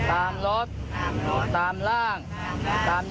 สัมปเวศีวิญญาณเล่ลอนทั้งหลาย